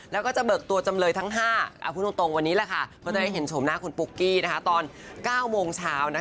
แล้วก็จะเบิกตัวจำเลยทั้ง๕พูดตรงวันนี้แหละค่ะก็จะได้เห็นชมหน้าคุณปุ๊กกี้ตอน๙โมงเช้า